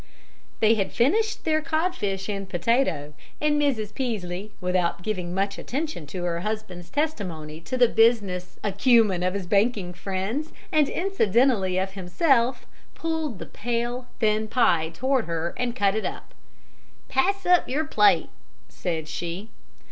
They had finished their codfish and potato, and Mrs. Peaslee, without giving much attention to her husband's testimony to the business acumen of his banking friends and incidentally of himself, pulled the pale, thin pie toward her and cut it. "Pass up your plate," said she.